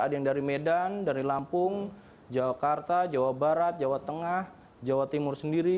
ada yang dari medan dari lampung jakarta jawa barat jawa tengah jawa timur sendiri